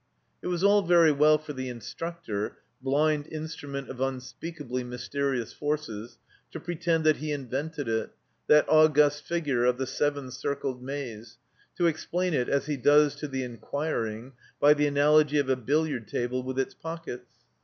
It was all very well for the instructor (blind in strument of unspeakably mysterious forces) to pre 26 THE COMBINED MAZE tend that he invented it, that august figure of the seven circled Maze; to explain it, as he does to the inquiring, by the analogy of a billiard table with its pockets.